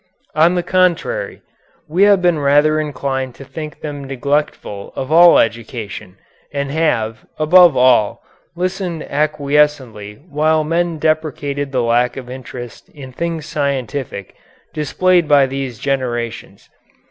On the contrary, we have been rather inclined to think them neglectful of all education, and have, above all, listened acquiescently while men deprecated the lack of interest in things scientific displayed by these generations.